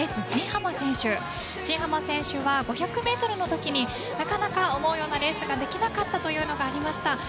新濱選手は５００ｍの時になかなか思うようなレースができなかったということがありました。